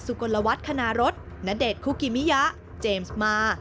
สุโกนลวัดขนารสณเดชน์คุกิมิยะเจมส์มาร์